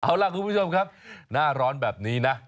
เอาล่ะคุณผู้ชมครับหน้าร้อนแบบนี้นะ